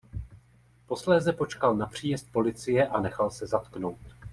Posléze počkal na příjezd policie a nechal se zatknout.